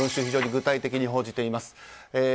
非常に具体的に報じています。